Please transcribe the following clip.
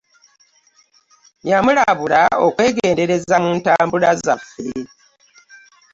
Yamulabula okwegendereza mu ntambula zaffe.